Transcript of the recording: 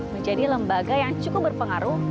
menjadi lembaga yang cukup berpengaruh